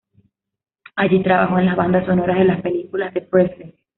Allí trabajó en las bandas sonoras de las películas de Presley.